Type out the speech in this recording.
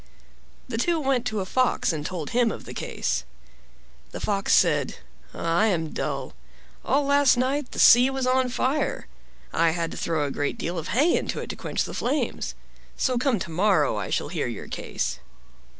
The two went to a Fox and told him of the case. The Fox said. "I am dull. All last night the sea was on fire; I had to throw a great deal of hay into it to quench the flames; so come to morrow, and I shall hear your case.